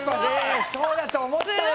そうだと思ったよ